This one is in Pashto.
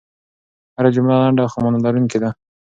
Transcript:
هره جمله لنډه خو مانا لرونکې ده.